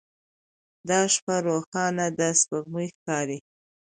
دا شپه روښانه ده سپوږمۍ ښکاري